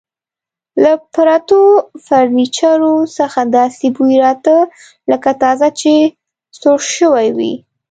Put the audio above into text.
له پرتو فرنیچرو څخه داسې بوی راته، لکه تازه چې جوړ شوي وي.